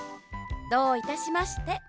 どういたしまして。